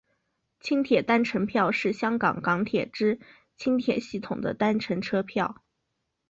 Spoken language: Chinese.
轻铁单程票是香港港铁之轻铁系统的单程车票。